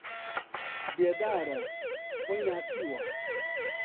بێدارە، خۆی ناسیوە